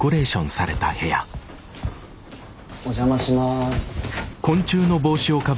お邪魔します。